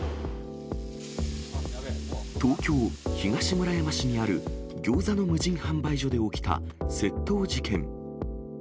東京・東村山市にあるギョーザの無人販売所で起きた窃盗事件。